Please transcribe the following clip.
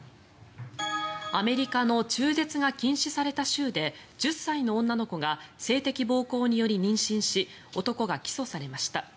アメリカの中絶が禁止された州で１０歳の女の子が性的暴行により妊娠し男が起訴されました。